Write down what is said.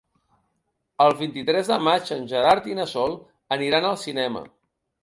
El vint-i-tres de maig en Gerard i na Sol aniran al cinema.